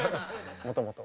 もともと。